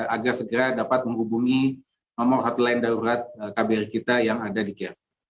agar segera dapat menghubungi nomor hotline daurat kbri kita yang ada di kiev